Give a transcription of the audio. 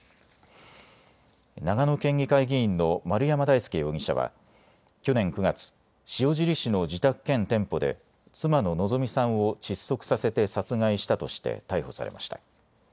長野県議会議員の丸山大輔容疑者は去年９月、塩尻市の自宅兼店舗で妻の希美さんを窒息させて殺害したとして逮捕されました。